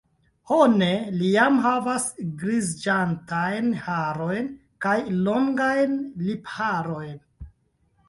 Ho ne, li jam havas griziĝantajn harojn kaj longajn lipharojn.